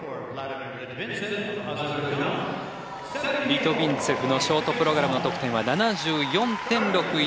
リトビンツェフのショートプログラムの得点は７４．６１。